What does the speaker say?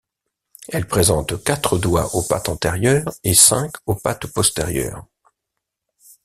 Elle présente quatre doigts aux pattes antérieures et cinq aux pattes postérieures.